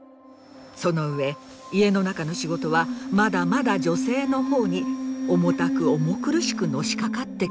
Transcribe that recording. その上家の中の仕事はまだまだ女性の方に重たく重苦しくのしかかってきます。